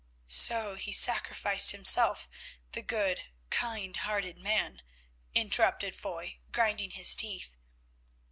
"So he sacrificed himself—the good, kind hearted man," interrupted Foy, grinding his teeth.